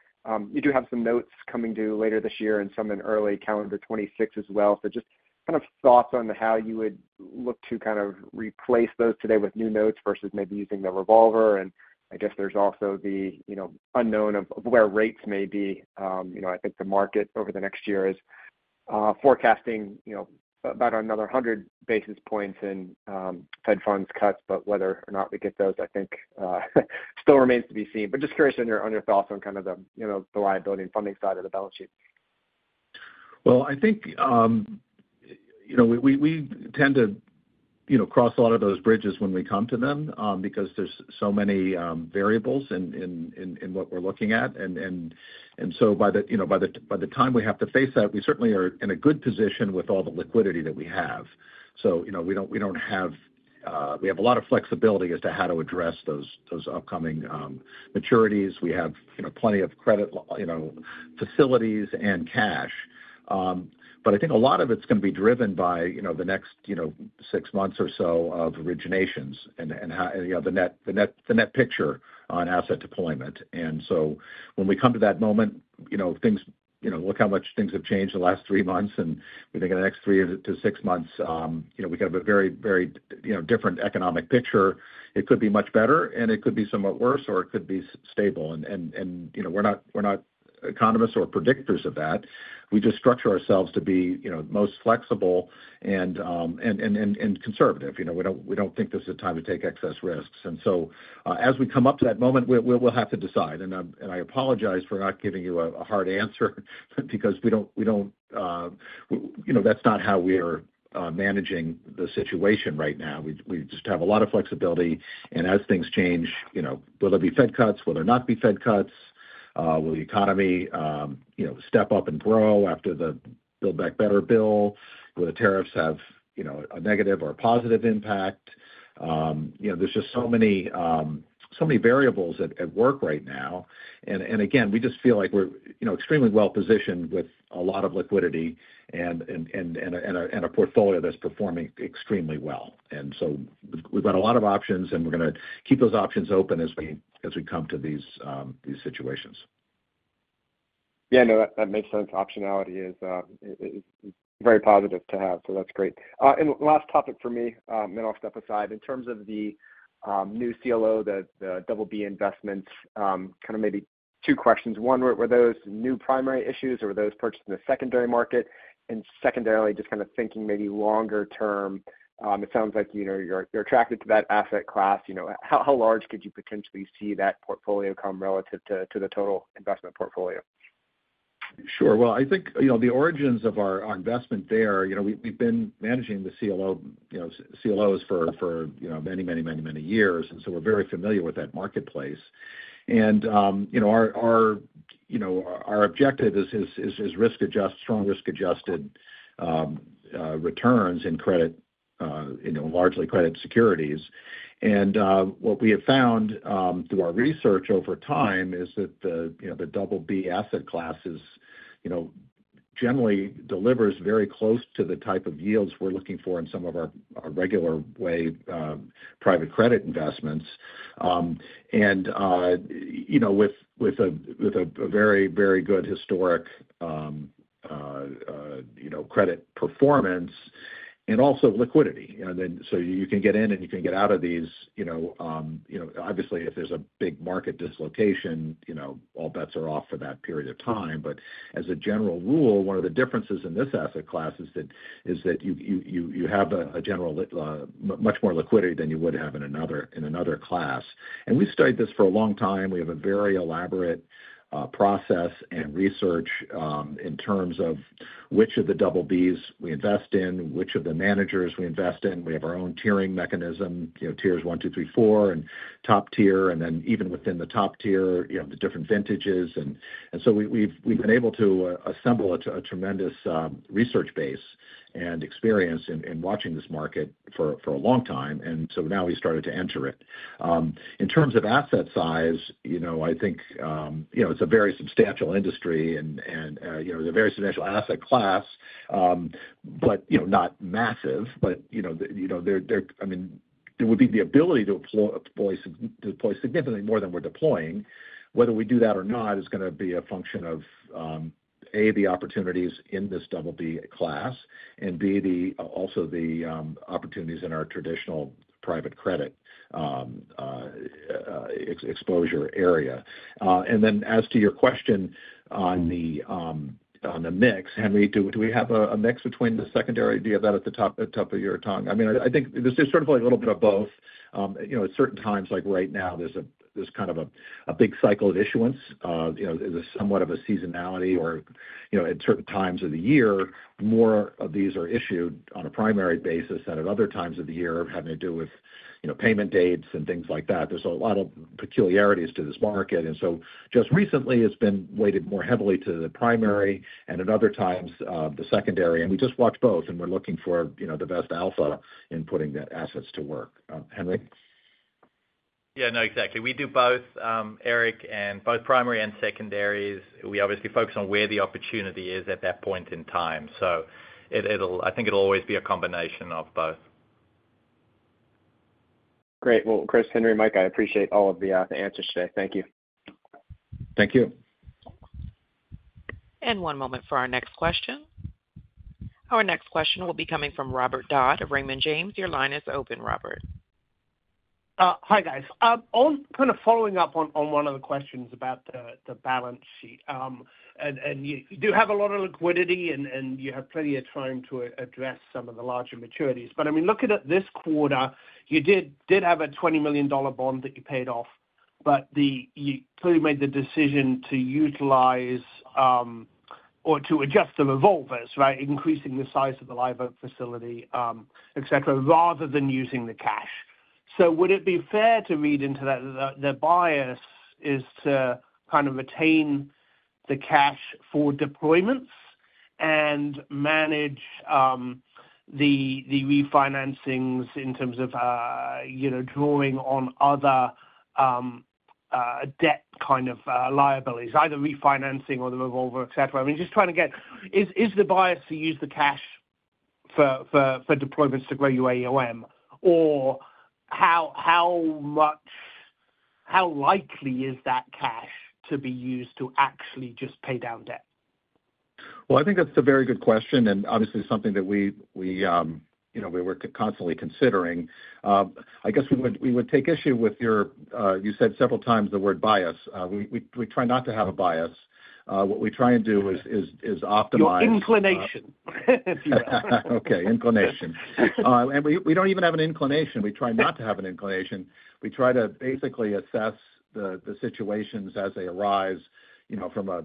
You do have some notes coming due later this year and some in early calendar 2026 as well. Just kind of thoughts on how you would look to kind of replace those today with new notes versus maybe using the revolver. I guess there's also the unknown of where rates may be. I think the market over the next year is forecasting about another 100 basis points in Fed funds cuts, but whether or not we get those, I think still remains to be seen. Just curious on your thoughts on kind of the liability and funding side of the balance sheet. I think we tend to cross a lot of those bridges when we come to them because there are so many variables in what we're looking at. By the time we have to face that, we certainly are in a good position with all the liquidity that we have. We do not have a lot of flexibility as to how to address those upcoming maturities. We have plenty of credit facilities and cash. I think a lot of it is going to be driven by the next six months or so of originations and the net picture on asset deployment. When we come to that moment, look how much things have changed in the last three months, and we think in the next three to six months, we could have a very, very different economic picture. It could be much better, it could be somewhat worse, or it could be stable. We are not economists or predictors of that. We just structure ourselves to be most flexible and conservative. We do not think this is a time to take excess risks. As we come up to that moment, we will have to decide. I apologize for not giving you a hard answer because we do not, that is not how we are managing the situation right now. We just have a lot of flexibility. As things change, will there be Fed cuts? Will there not be Fed cuts? Will the economy step up and grow after the Build Back Better bill? Will the tariffs have a negative or a positive impact? There are just so many variables at work right now. Again, we just feel like we are extremely well positioned with a lot of liquidity and a portfolio that is performing extremely well. We have a lot of options, and we are going to keep those options open as we come to these situations. Yeah, no, that makes sense. Optionality is very positive to have, so that's great. Last topic for me, and then I'll step aside, in terms of the new CLO, the BBB Investments, kind of maybe two questions. One, were those new primary issues, or were those purchased in the secondary market? Secondarily, just kind of thinking maybe longer term, it sounds like you're attracted to that asset class. You know, how large could you potentially see that portfolio come relative to the total investment portfolio? Sure. I think the origins of our investment there, we've been managing the CLOs for many, many years, and we're very familiar with that marketplace. Our objective is strong risk-adjusted returns in credit, largely credit securities. What we have found through our research over time is that the BBB asset class generally delivers very close to the type of yields we're looking for in some of our regular way private credit investments, with a very good historic credit performance and also liquidity. You can get in and you can get out of these. Obviously, if there's a big market dislocation, all bets are off for that period of time. As a general rule, one of the differences in this asset class is that you have much more liquidity than you would have in another class. We've studied this for a long time. We have a very elaborate process and research in terms of which of the BBBs we invest in, which of the managers we invest in. We have our own tiering mechanism, tiers one, two, three, four, and top tier. Even within the top tier, the different vintages. We've been able to assemble a tremendous research base and experience in watching this market for a long time. Now we started to enter it. In terms of asset size, I think it's a very substantial industry and a very substantial asset class, but not massive. It would be the ability to deploy significantly more than we're deploying. Whether we do that or not is going to be a function of, A, the opportunities in this BBB class, and B, also the opportunities in our traditional private credit exposure area. As to your question on the mix, Henri, do we have a mix between the secondary? Do you have that at the top of your tongue? I think this is sort of a little bit of both. At certain times, like right now, there's kind of a big cycle of issuance. There's somewhat of a seasonality or at certain times of the year, more of these are issued on a primary basis than at other times of the year, having to do with payment dates and things like that. There's a lot of peculiarities to this market. Just recently, it's been weighted more heavily to the primary and at other times the secondary. We just watch both and we're looking for the best alpha in putting the assets to work. Henri? Yeah, no, exactly. We do both, Erik, and both primary and secondaries. We obviously focus on where the opportunity is at that point in time. I think it'll always be a combination of both. Great. Chris, Henri, Mike, I appreciate all of the answers today. Thank you. Thank you. One moment for our next question. Our next question will be coming from Robert Dodd of Raymond James. Your line is open, Robert. Hi, guys. I'm kind of following up on one of the questions about the balance sheet. You do have a lot of liquidity and you have plenty of time to address some of the larger maturities. I mean, looking at this quarter, you did have a $20 million bond that you paid off, but you clearly made the decision to utilize or to adjust the revolvers, right, increasing the size of the Live Oak facility, etc., rather than using the cash. Would it be fair to read into that the bias is to kind of retain the cash for deployments and manage the refinancings in terms of, you know, drawing on other debt kind of liabilities, either refinancing or the revolver, etc.? I'm just trying to get, is the bias to use the cash for deployments to grow your AUM, or how much, how likely is that cash to be used to actually just pay down debt? I think that's a very good question and obviously something that we were constantly considering. I guess we would take issue with your, you said several times the word bias. We try not to have a bias. What we try and do is optimize. Inclination. Okay, inclination. We don't even have an inclination. We try not to have an inclination. We try to basically assess the situations as they arise from a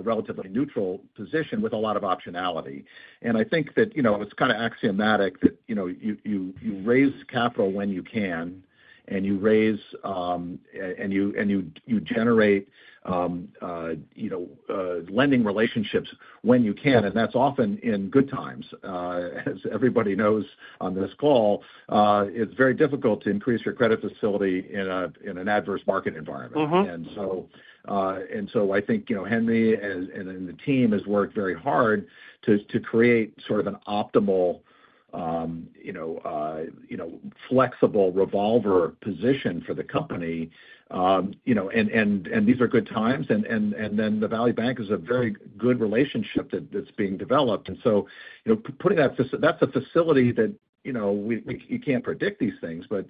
relatively neutral position with a lot of optionality. I think that it's kind of axiomatic that you raise capital when you can and you generate lending relationships when you can. That's often in good times. As everybody knows on this call, it's very difficult to increase your credit facility in an adverse market environment. I think Henri and the team have worked very hard to create sort of an optimal, flexible revolver position for the company. These are good times. The Value Bank is a very good relationship that's being developed. Putting that, that's a facility that you can't predict these things, but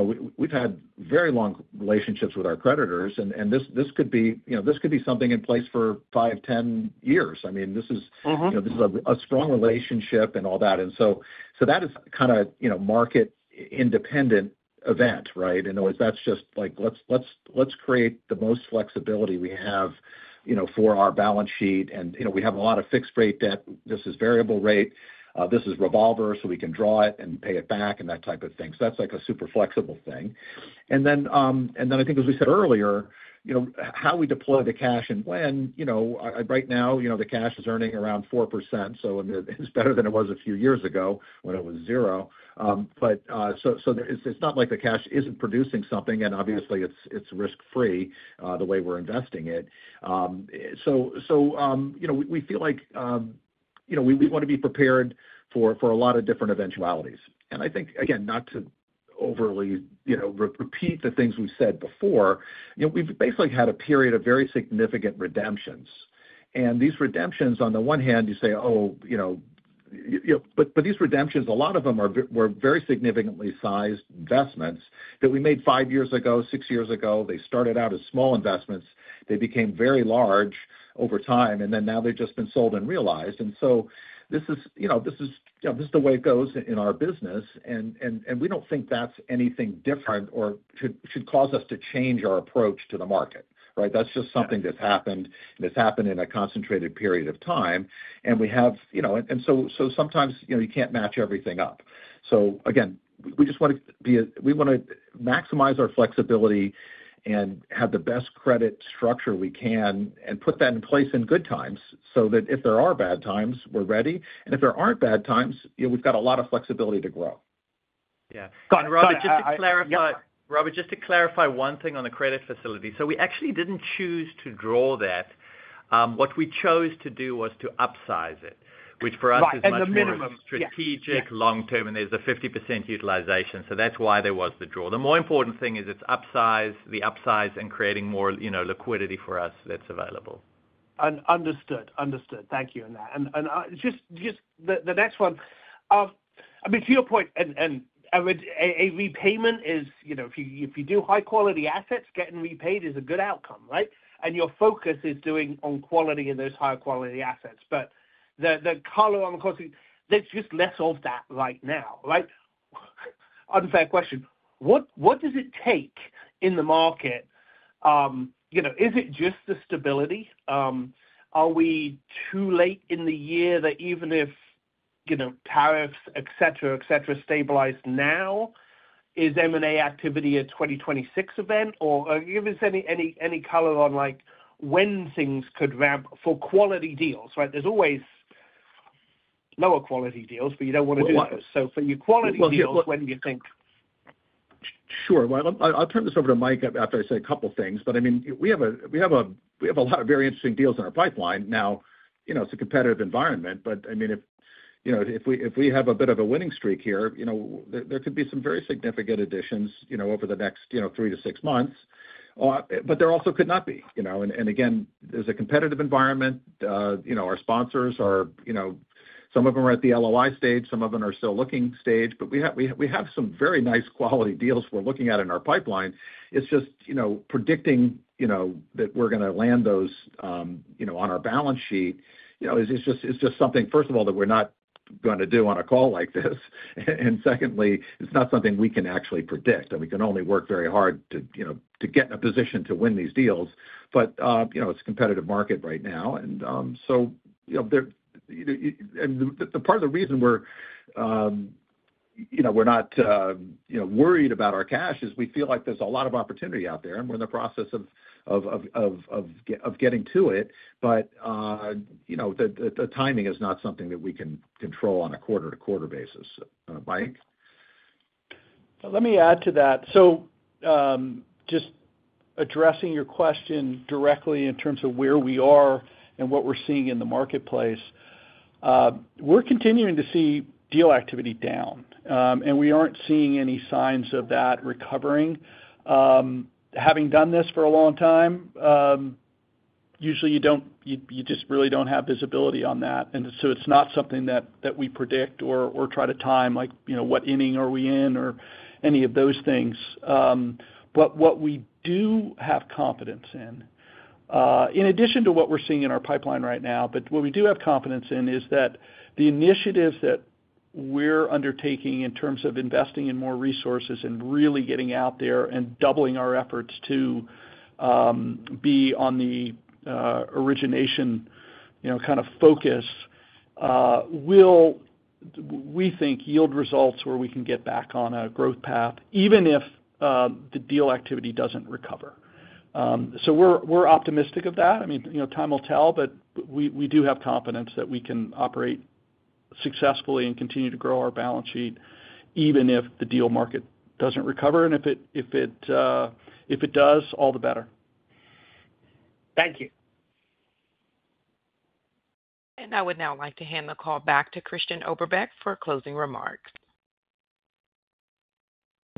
we've had very long relationships with our creditors. This could be something in place for 5, 10 years. This is a strong relationship and all that. That is kind of a market-independent event, right? In other words, that's just like, let's create the most flexibility we have for our balance sheet. We have a lot of fixed-rate debt. This is variable rate. This is revolver, so we can draw it and pay it back and that type of thing. That's like a super flexible thing. I think, as we said earlier, how we deploy the cash and when, right now, the cash is earning around 4%. It's better than it was a few years ago when it was zero. It's not like the cash isn't producing something. Obviously, it's risk-free the way we're investing it. We feel like we want to be prepared for a lot of different eventualities. I think, again, not to overly repeat the things we've said before, we've basically had a period of very significant redemptions. These redemptions, on the one hand, you say, oh, but these redemptions, a lot of them were very significantly sized investments that we made five years ago, six years ago. They started out as small investments. They became very large over time. Now they've just been sold and realized. This is the way it goes in our business. We don't think that's anything different or should cause us to change our approach to the market, right? That's just something that's happened and it's happened in a concentrated period of time. We have, you know, sometimes you can't match everything up. We just want to maximize our flexibility and have the best credit structure we can and put that in place in good times so that if there are bad times, we're ready. If there aren't bad times, we've got a lot of flexibility to grow. Yeah, just to clarify, Robert, just to clarify one thing on the credit facility. We actually didn't choose to draw that. What we chose to do was to upsize it, which for us is strategic long-term, and there's a 50% utilization. That's why there was the draw. The more important thing is it's upsize, the upsize, and creating more liquidity for us that's available. Understood. Thank you on that. Just the next one, to your point, I would say a repayment is, you know, if you do high-quality assets, getting repaid is a good outcome, right? Your focus is doing on quality in those higher-quality assets. The color, of course, there's just less of that right now, right? Unfair question. What does it take in the market? Is it just the stability? Are we too late in the year that even if, you know, tariffs, etc., etc., stabilize now, is M&A activity a 2026 event? Give us any color on when things could ramp for quality deals, right? There's always lower quality deals, but you don't want to do those. For your quality deals, when do you think? Sure. I'll turn this over to Mike after I say a couple of things. We have a lot of very interesting deals in our pipeline. It's a competitive environment. If we have a bit of a winning streak here, there could be some very significant additions over the next three to six months. There also could not be. There's a competitive environment. Our sponsors are, some of them are at the LOI stage, some of them are still looking stage. We have some very nice quality deals we're looking at in our pipeline. Predicting that we're going to land those on our balance sheet is just something, first of all, that we're not going to do on a call like this. Secondly, it's not something we can actually predict. We can only work very hard to get in a position to win these deals. It's a competitive market right now. Part of the reason we're not worried about our cash is we feel like there's a lot of opportunity out there, and we're in the process of getting to it. The timing is not something that we can control on a quarter-to-quarter basis. Mike? Let me add to that. Just addressing your question directly in terms of where we are and what we're seeing in the marketplace, we're continuing to see deal activity down, and we aren't seeing any signs of that recovering. Having done this for a long time, usually you just really don't have visibility on that. It's not something that we predict or try to time, like, you know, what inning are we in or any of those things. What we do have confidence in, in addition to what we're seeing in our pipeline right now, is that the initiatives that we're undertaking in terms of investing in more resources and really getting out there and doubling our efforts to be on the origination focus will, we think, yield results where we can get back on a growth path, even if the deal activity doesn't recover. We're optimistic of that. I mean, you know, time will tell, but we do have confidence that we can operate successfully and continue to grow our balance sheet, even if the deal market doesn't recover. If it does, all the better. Thank you. I would now like to hand the call back to Christian Oberbeck for closing remarks.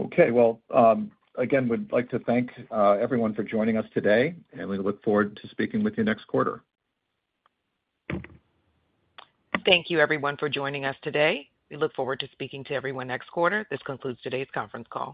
Okay. Again, we'd like to thank everyone for joining us today, and we look forward to speaking with you next quarter. Thank you, everyone, for joining us today. We look forward to speaking to everyone next quarter. This concludes today's conference call.